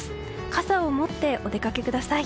傘を持ってお出かけください。